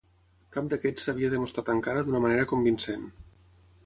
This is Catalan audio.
Cap d'aquests s'havia demostrat encara d'una manera convincent.